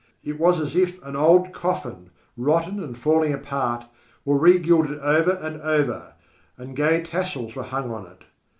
It was as if an old coffin, rotten and falling apart, were regilded over and over, and gay tassels were hung on it.